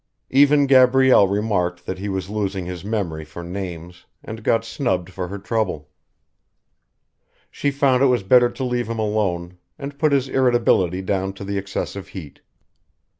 Even Gabrielle remarked that he was losing his memory for names, and got snubbed for her trouble. She found it was better to leave him alone, and put his irritability down to the excessive heat.